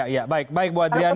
ya baik bu adrian